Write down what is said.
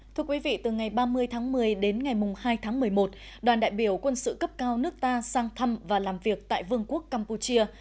thưa quý vị từ ngày ba mươi tháng một mươi đến ngày hai tháng một mươi một đoàn đại biểu quân sự cấp cao nước ta sang thăm và làm việc tại vương quốc campuchia